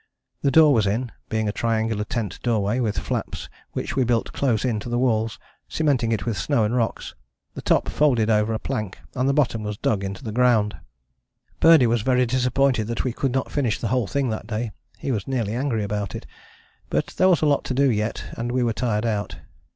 The door was in, being a triangular tent doorway, with flaps which we built close in to the walls, cementing it with snow and rocks. The top folded over a plank and the bottom was dug into the ground." Birdie was very disappointed that we could not finish the whole thing that day: he was nearly angry about it, but there was a lot to do yet and we were tired out.